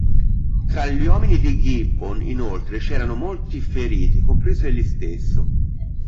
Tra gli uomini di Gibbon inoltre c'erano molti feriti, compreso egli stesso.